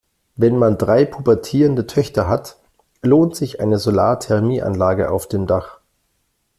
Wenn man drei pubertierende Töchter hat, lohnt sich eine Solarthermie-Anlage auf dem Dach.